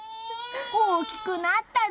大きくなったね！